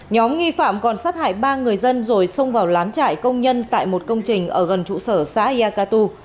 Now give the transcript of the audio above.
nhóm nghi phạm còn sát hại ba người dân rồi xông vào lán trại công nhân tại một công trình ở gần trụ sở xã yà cơ tu